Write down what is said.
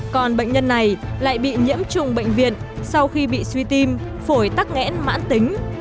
còn bệnh nhân này lại bị nhiễm trùng bệnh viện sau khi bị suy tim phổi tắc nghẽn mãn tính